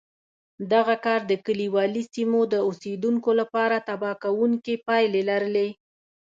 دغه کار د کلیوالي سیمو د اوسېدونکو لپاره تباه کوونکې پایلې لرلې